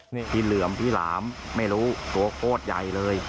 นี่พี่เหลือมพี่หลามไม่รู้ตัวโคตรใหญ่เลย